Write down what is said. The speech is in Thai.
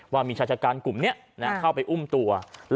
ว่ามีชายจัดการกลุ่มนี้เข้าไปอุ้มตัว